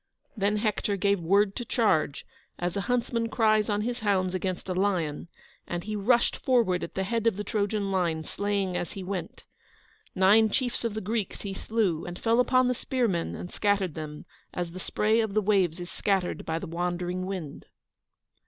Then Hector gave the word to charge, as a huntsman cries on his hounds against a lion, and he rushed forward at the head of the Trojan line, slaying as he went. Nine chiefs of the Greeks he slew, and fell upon the spearmen and scattered them, as the spray of the waves is scattered by the wandering wind.